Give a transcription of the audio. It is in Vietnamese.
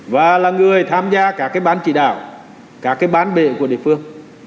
và là người tham gia cả cái bán chỉ đạo cả cái bán bệnh của địa phương